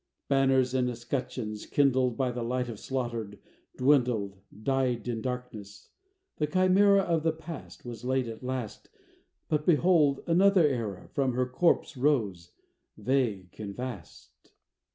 Banners and escutcheons, kindled By the light of slaughter, dwindled Died in darkness: the chimera Of the Past was laid at last. But, behold, another era From her corpse rose, vague and vast.